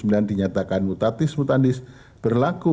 putusan akuo dinyatakan mutatis mundanis berlaku